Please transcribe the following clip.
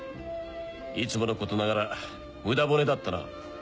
いつものことながら無駄骨だったな。